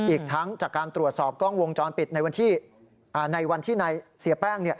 อีกทั้งจากการตรวจสอบกล้องวงจรปิดในวันที่ในเสียแป้ง